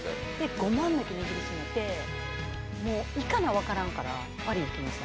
５万だけ握りしめてもう行かなわからんからパリ行きました。